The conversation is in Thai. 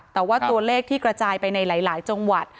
แต่ว่าตัวเลขที่กระจายไปในหลายจังหวัด